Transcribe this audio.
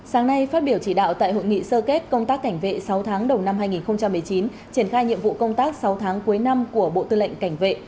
sáng nay phát biểu chỉ đạo tại hội nghị sơ kết công tác cảnh vệ sáu tháng đầu năm hai nghìn một mươi chín triển khai nhiệm vụ công tác sáu tháng cuối năm của bộ tư lệnh cảnh vệ